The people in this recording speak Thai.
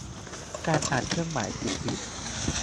การอ่านเครื่องหมาย ถูก ผิด